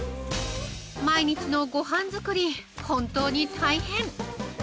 毎日のごはん作り、本当に大変！